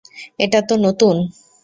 এটা তো নতুন।